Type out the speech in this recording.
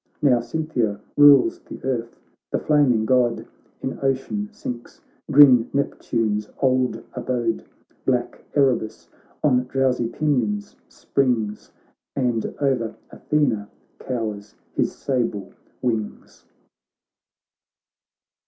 Now Cynthia rules the earth, the flaming God In ocean sinks, green Neptune's old abode ; Black Erebus on drowsy pinions springs, And o'er Athena cowers his sable wings.